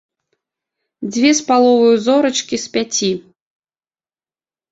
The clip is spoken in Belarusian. Дзве з паловаю зорачкі з пяці.